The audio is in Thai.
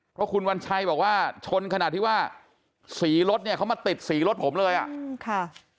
เพราะคุณวัญชัยบอกว่าชนขนาดที่ว่าสีรถเนี่ยเขามาติดสีรถผมเลยอ่ะค่ะ